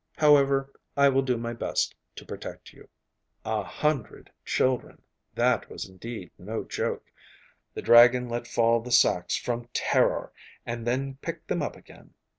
However, I will do my best to protect you.' A hundred children! That was indeed no joke! The dragon let fall the sacks from terror, and then picked them up again.